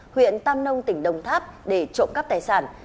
huyện tam nông tỉnh đồng tháp để trộm cắp tài sản